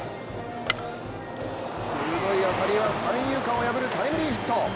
鋭い当たりは三遊間を破るタイムリーヒット。